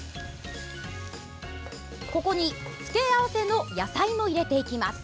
ここに付け合わせの野菜も入れていきます。